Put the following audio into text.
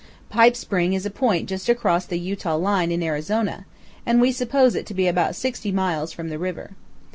Pipe Spring is a point just across the Utah line in Arizona, and we suppose it to be about 60 miles from the river.